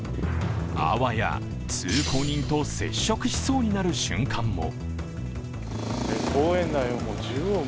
あわや通行人と接触しそうになる瞬間も。